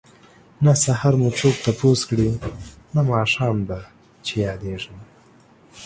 نه سحر مو څوک تپوس کړي نه ماښام ده چه ياديږم